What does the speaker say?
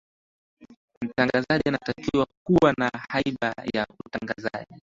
mtangazaji anatakiwa kuwa na haiba ya utangazaji